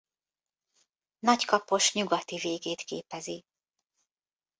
Nagykapos nyugati végét képezi.